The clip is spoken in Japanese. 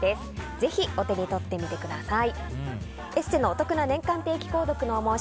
ぜひお手に取ってみてください。